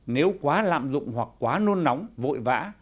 nếu quá lạm dụng hoặc quá nôn nóng vội vã